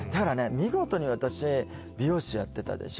見事に私美容師やってたでしょ